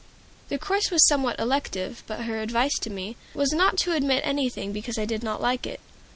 The course was somewhat elective, but her advice to me was, not to omit anything because I did not like it.